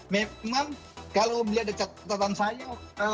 memang kalau dilihat dari catatan saya